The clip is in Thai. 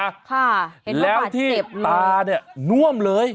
ค่ะเห็นว่าปากเจ็บเลยแล้วที่ตาเนี่ยน่วมเลย